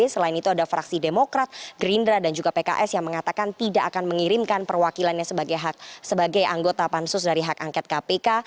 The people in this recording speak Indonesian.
selain itu ada fraksi demokrat gerindra dan juga pks yang mengatakan tidak akan mengirimkan perwakilannya sebagai anggota pansus dari hak angket kpk